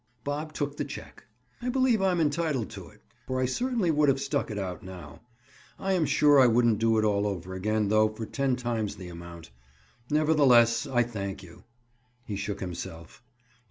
Bob took the check. "I believe I am entitled to it, for I certainly would have stuck it out now. I am sure I wouldn't do it all over again, though, for ten times the amount. Nevertheless, I thank you." He shook himself.